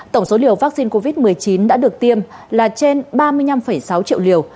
tổng số liều vaccine covid một mươi chín đã được tiêm là trên ba mươi năm sáu triệu liều